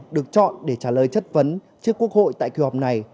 được chọn để trả lời chất vấn trước quốc hội tại kỳ họp này